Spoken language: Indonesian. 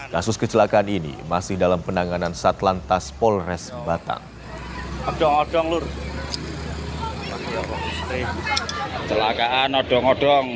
kasus kecelakaan ini masih dalam penanganan satlantas polres batang